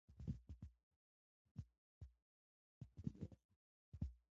د دولت درې ګونې قوې توازن ساتي